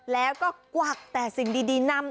แล้วก็กวักแต่สิ่งดีนำ